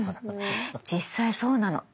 実際そうなの。